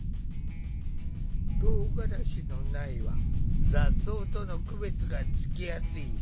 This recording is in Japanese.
とうがらしの苗は雑草との区別がつきやすい。